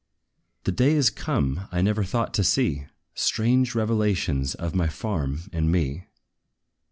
"The day is come I never thought to see! Strange revolutions of my farm and me."